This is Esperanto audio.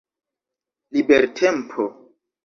libertempo